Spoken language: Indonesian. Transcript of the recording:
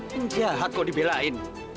penjahat kok dibelain